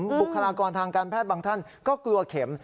บุคลากรทางการแพทย์บางท่านก็กลัวเข็ม